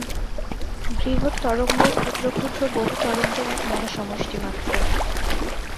বৃহৎ তরঙ্গ ক্ষুদ্র ক্ষুদ্র বহু তরঙ্গের এক মহাসমষ্টি মাত্র।